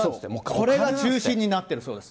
これが中心になってるそうです。